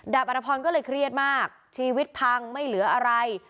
อัตภพรก็เลยเครียดมากชีวิตพังไม่เหลืออะไร